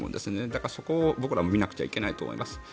だから、そこを僕らも見なくちゃいけないと思います。